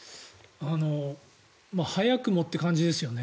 早くもって感じですよね。